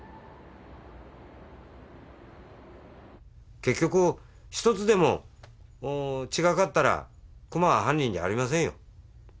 結局１つでも違かったら久間は犯人じゃありませんよ。